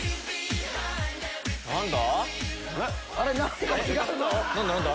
何だ？